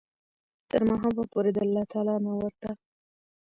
تر ماښامه پوري د الله تعالی نه ورته